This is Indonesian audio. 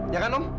ya kan om